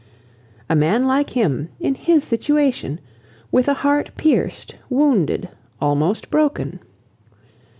A man like him, in his situation! with a heart pierced, wounded, almost broken!